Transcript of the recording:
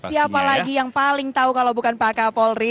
siapa lagi yang paling tahu kalau bukan pak kapolri